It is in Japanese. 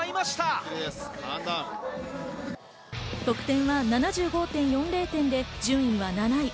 得点は７５．４０点で順位は７位。